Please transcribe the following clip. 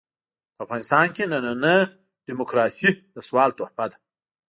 په افغانستان کې ننۍ ډيموکراسي د سوال تحفه ده.